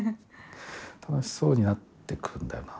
楽しそうになっていくんだよな。